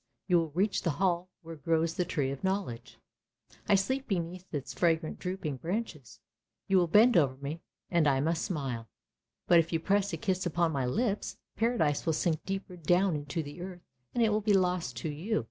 You will reach the hall where grows the Tree of Knowledge; I sleep beneath its fragrant drooping branches. You will bend over me and I must smile, but if you press a kiss upon my lips, Paradise will sink deep down into the earth, and it will be lost to you.